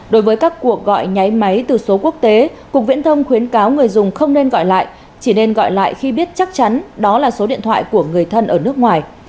đối với các cuộc gọi nháy máy từ số quốc tế cục viễn thông khuyến cáo người dùng không nên gọi lại chỉ nên gọi lại khi biết chắc chắn đó là số điện thoại của người thân ở nước ngoài